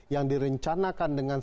yang direncanakan dengan